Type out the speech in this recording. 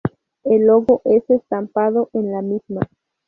El logo es estampado en la misma.